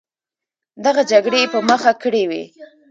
دغه جګړې یې په مخه کړې وې.